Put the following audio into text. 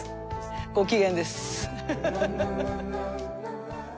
ご機嫌です。